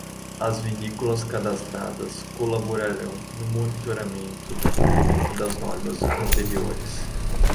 As vinícolas cadastradas colaborarão no monitoramento do cumprimento das normas anteriores.